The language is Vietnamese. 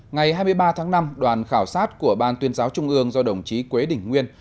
ngày hai mươi ba tháng năm đoàn khảo sát của ban tuyên giáo trung ương do đồng chí quế đình nguyên